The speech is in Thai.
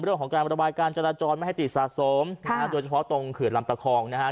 เรื่องของการระบายการจราจรไม่ให้ติดสะสมโดยเฉพาะตรงเขื่อนลำตะคองนะฮะ